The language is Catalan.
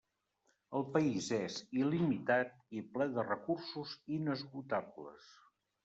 El país és il·limitat i ple de recursos inesgotables.